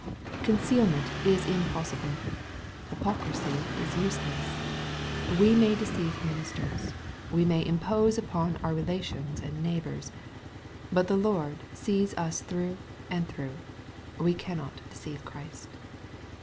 Concealment is impossible. Hypocrisy is useless. .We may deceive ministers. We may impose upon our re lations and neighbors. But the Lord sees us through and through. We cannot deceive Christ.